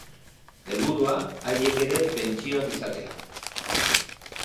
Helburua, haiek ere pentsioak izatea.